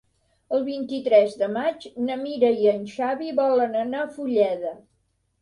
El vint-i-tres de maig na Mira i en Xavi volen anar a Fulleda.